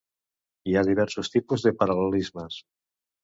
Hi ha diversos tipus de paral·lelismes.